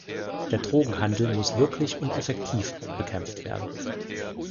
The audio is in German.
Der Drogenhandel muss wirklich und effektiv bekämpft werden.